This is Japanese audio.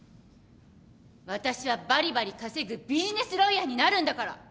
私はばりばり稼ぐビジネスロイヤーになるんだから！